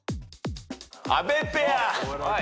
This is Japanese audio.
阿部ペア。